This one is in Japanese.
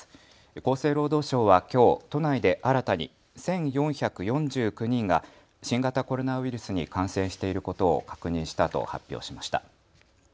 厚生労働省はきょう都内で新たに１４４９人が新型コロナウイルスに感染していることを確認したと発表しました。